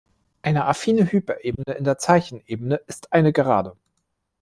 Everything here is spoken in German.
Eine affine Hyperebene in der Zeichenebene ist eine Gerade.